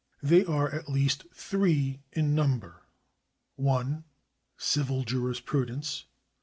They are at least three in number : 1. Civil Jurisprudence.